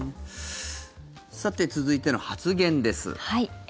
さて、続いての発言です。